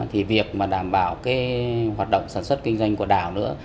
thì việc đảm bảo hoạt động sản xuất kinh doanh của đảo nữa